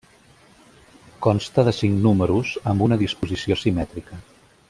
Consta de cinc números, amb una disposició simètrica.